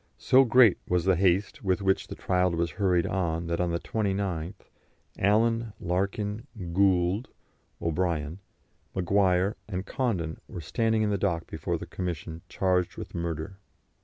So great was the haste with which the trial was hurried on that on the 29th Allen, Larkin, Gould (O'Brien), Maguire, and Condon were standing in the dock before the Commission charged with murder.